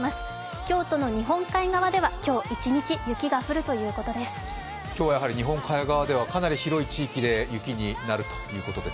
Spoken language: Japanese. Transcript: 京都の日本海側では今日一日雪が降るということです。